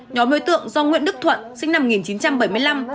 nhóm đối tượng do nguyễn đức thuận sinh năm một nghìn chín trăm bảy mươi năm